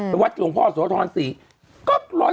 ไปวัดหลวงพ่อสวทรรษฎี๔คน